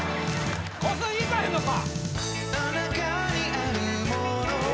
小杉いかへんのか？